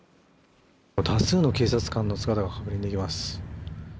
多数の警察官の姿が確認できます